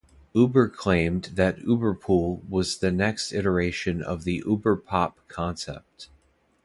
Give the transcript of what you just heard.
Uber claimed that UberPool was the next iteration of the UberPop concept.